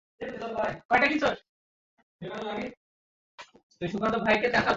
The Samaritans of the West Bank are usually referred to as Palestinian.